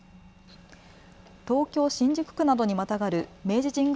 東京新宿区などにまたがる明治神宮